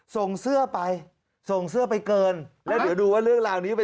ส่งเสื้อไปส่งเสื้อไปเกินแล้วเดี๋ยวดูว่าเรื่องราวนี้ไป